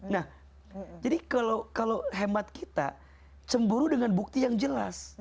nah jadi kalau hemat kita cemburu dengan bukti yang jelas